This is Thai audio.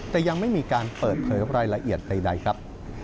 แต่ยังไม่มีการเปิดเผยรายละเอียดใดครับ